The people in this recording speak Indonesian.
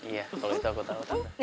iya kalo itu aku tau tante